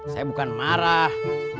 saya bukan marah